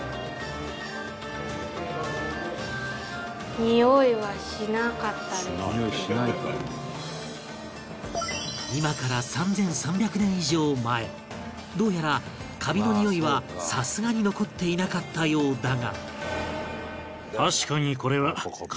「においしないんだ」今から３３００年以上前どうやらカビのにおいはさすがに残っていなかったようだが